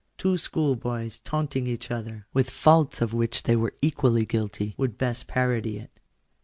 Two school boys taunting each other, with faults of which they were equally guilty, would best parody it.